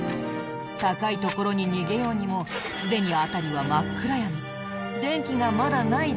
高い所に逃げようにもすでに辺りは真っ暗闇。